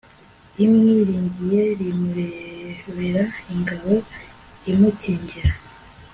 umwiringiye rimubera ingabo imukingira